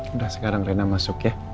udah sekarang rena masuk ya